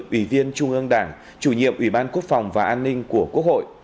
ủy viên trung ương đảng chủ nhiệm ủy ban quốc phòng và an ninh của quốc hội